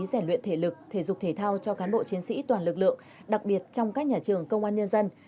giải luyện thể lực thể dục thể thao cho cán bộ chiến sĩ toàn lực lượng đặc biệt trong các nhà trường công an nhân dân